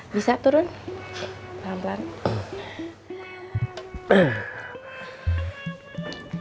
bisa turun pelan pelan